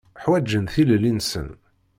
Ḥwaǧen tilelli-nsen.